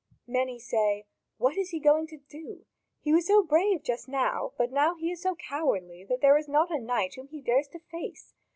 Many say: "What is he going to do? He was so brave just now; but now he is so cowardly that there is not a knight whom he dares to face.